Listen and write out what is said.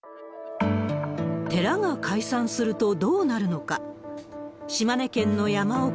寺が解散するとどうなるのか。